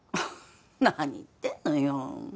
何言ってんのよ